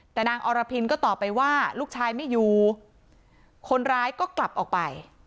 แต่นางอรพินก็ตอบไปว่าลูกชายไม่อยู่คนร้ายก็กลับออกไป